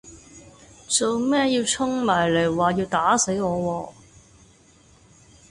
做咩要衝埋嚟話要打死我喎